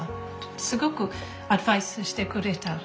すごくアドバイスしてくれた。